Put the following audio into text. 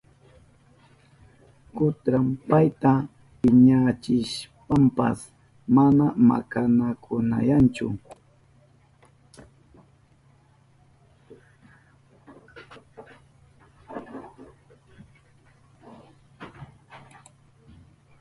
Kutran payta piñachishpanpas mana makanakunayanchu.